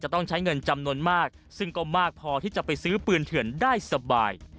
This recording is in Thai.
ต้องใช้เงินจำนวนมากซึ่งก็มากพอที่จะไปซื้อปืนเถื่อนได้สบาย